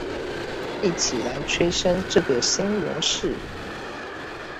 一起來催生這個新模式